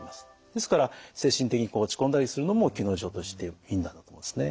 ですから精神的にこう落ち込んだりするのも気の異常としていいんだと思いますね。